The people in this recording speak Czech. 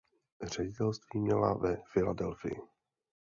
Ředitelství měla ve Filadelfii.